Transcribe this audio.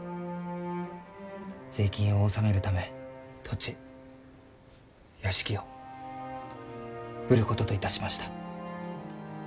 税金を納めるため土地屋敷を売ることといたしました。